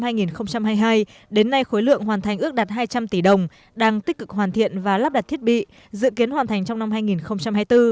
công trình khởi công tháng bốn năm hai nghìn hai mươi hai đến nay khối lượng hoàn thành ước đặt hai trăm linh tỷ đồng đang tích cực hoàn thiện và lắp đặt thiết bị dự kiến hoàn thành trong năm hai nghìn hai mươi bốn